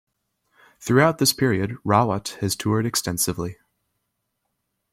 Throughout this period, Rawat has toured extensively.